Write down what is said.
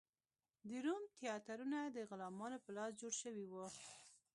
د روم تیاترونه د غلامانو په لاس جوړ شوي و.